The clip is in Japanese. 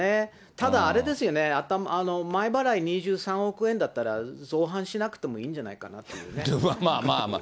ただ、あれですよね、前払い、２３億円だったら、増版しなくてもいいんじゃないかまあまあまあ。